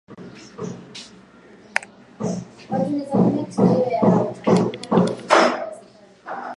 Matumizi ya dawa za kuulia wadudu hukabiliana na ugonjwa wa ukurutu